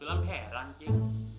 tuh lam heran cik